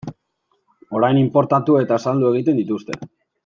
Orain inportatu eta saldu egiten dituzte.